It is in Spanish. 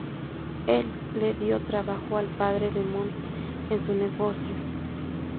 Él le dio trabajo al padre de Monet en su negocio.